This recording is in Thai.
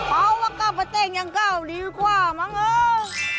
เพราะว่ากลับจะแต่งอย่างกล้าวดีกว่ามั้งเอ้ย